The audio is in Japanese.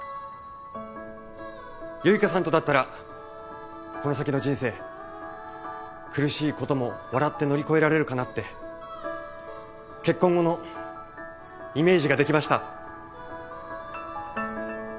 結花さんとだったらこの先の人生苦しいことも笑って乗り越えられるかなって結婚後のイメージができました。